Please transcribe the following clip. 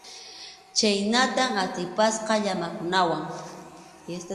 Chhaynatam atipasqa llamakunawan.